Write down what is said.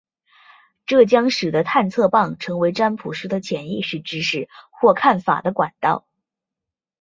这将使得探测棒成为占卜师的潜意识知识或看法的管道。